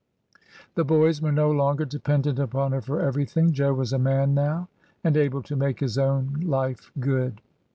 The boys were no longer dependent upon her for everything. Jo was a man now and able to make his own life good.